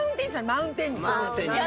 マウンテンにね。